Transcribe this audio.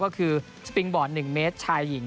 ก็คือสปิงบอร์ด๑เมตรชายหญิง